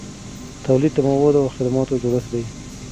تولید د موادو او خدماتو جوړښت دی.